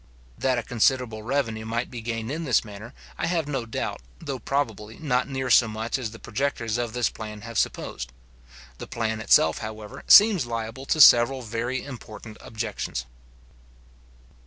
That a considerable revenue might be gained in this manner, I have no doubt, though probably not near so much as the projectors of this plan have supposed. The plan itself, however, seems liable to several very important objections.